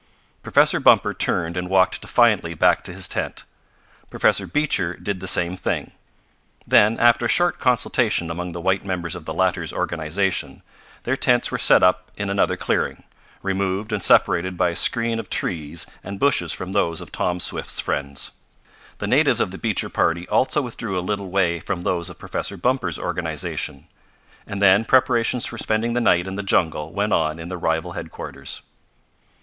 Professor Bumper turned and walked defiantly back to his tent. Professor Beecher did the same thing. Then, after a short consultation among the white members of the latter's organization, their tents were set up in another clearing, removed and separated by a screen of trees and bushes from those of Tom Swift's friends. The natives of the Beecher party also withdrew a little way from those of Professor Bumper's organization, and then preparations for spending the night in the jungle went on in the rival headquarters.